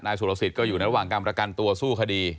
นายสุรสิตก็อยู่ระหว่างกรรมกันตัวสู้คดี